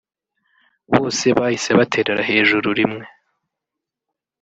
bose bahise baterera hejuru rimwe